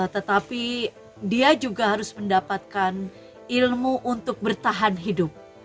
tetapi dia juga harus mendapatkan ilmu untuk bertahan hidup